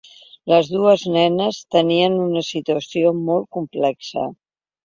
Les dues nenes tenien una situació ‘molt complexa’.